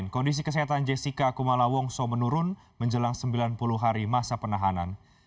kondisi kesehatan jessica kumala wongso menurun menjelang sembilan puluh hari masa penahanan